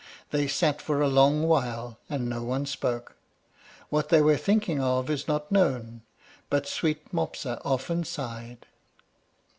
They sat for a long while, and no one spoke: what they were thinking of is not known, but sweet Mopsa often sighed.